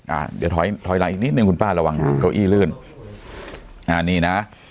อ่าเดี๋ยวถอยถอยหลังอีกนิดนึงคุณป้าระวังเก้าอี้ลื่นอ่านี่นะ